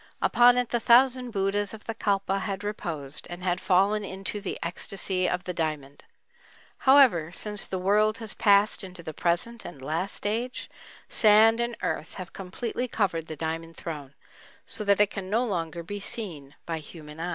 Upon it the thousand Buddhas of the Kalpa had reposed and had fallen into the "ecstasy of the diamond." However, since the world has passed into the present and last age, sand and earth have completely covered the "Diamond Throne," so that it can no longer be seen by human eye.